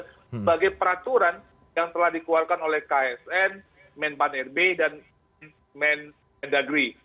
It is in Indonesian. sebagai peraturan yang telah dikeluarkan oleh ksn menpan rb dan mendagri